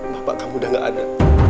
bapak kamu udah gak ada